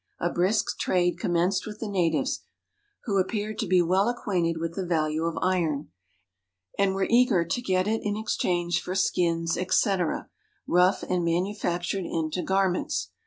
A brisk trade commenced with the natives, who appeared to be well acquainted with the value of iron, and were eager to get it in exchange for skins, etc., rough and manufactured into garments.